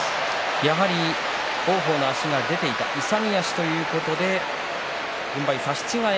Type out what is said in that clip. やはり王鵬の足が出ていた勇み足ということで軍配差し違え。